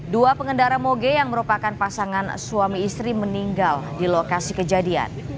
dua pengendara moge yang merupakan pasangan suami istri meninggal di lokasi kejadian